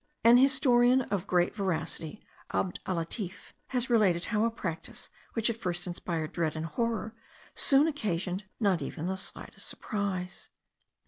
An historian of great veracity, Abd allatif, has related how a practice, which at first inspired dread and horror, soon occasioned not even the slightest surprise.